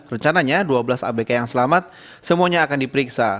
rencananya dua belas abk yang selamat semuanya akan diperiksa